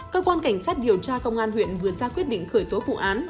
cơ quan cảnh sát điều tra công an huyện vừa ra quyết định khởi tố vụ án